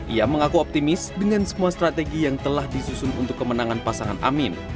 ia mengaku optimis dengan semua strategi yang telah disusun untuk kemenangan pasangan amin